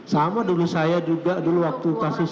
sama dulu saya juga dulu waktu kasus